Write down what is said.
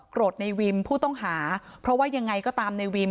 ในวิมผู้ต้องหาเพราะว่ายังไงก็ตามในวิม